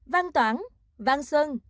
văn toản văn sơn